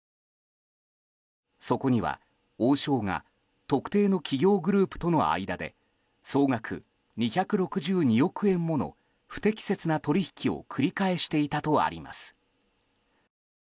そこには、王将が特定の企業グループとの間で総額２６２億円もの不適切な取引を繰り返していたとあります。